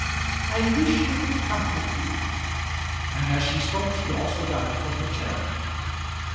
"I wish I could comfort you." And as she spoke she also got up from her chair.